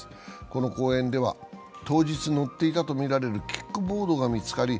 この公園では当日乗っていたとみられるキックボードが見つかり